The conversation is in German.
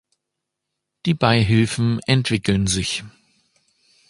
Die Beihilfen entwickeln sich.